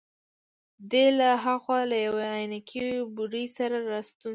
دی له هاخوا له یوې عینکې بوډۍ سره راستون شو.